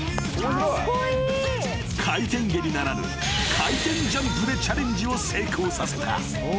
［回転蹴りならぬ回転ジャンプでチャレンジを成功させた。